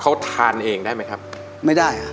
เขาทานเองได้ไหมครับไม่ได้ฮะ